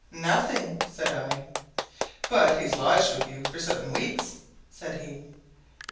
"Nothing!" said I. "But he's lodged with you seven weeks?" said he.